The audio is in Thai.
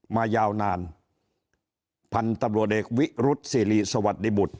มายาวนานพันธุ์ตำรวจเอกวิรุษศิริสวัสดิบุตร